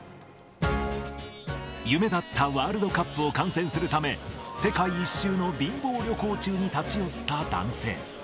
夢だったワールドカップを観戦するため、世界一周の貧乏旅行中に立ち寄った男性。